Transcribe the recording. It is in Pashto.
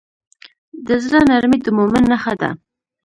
د زړه نرمي د مؤمن نښه ده.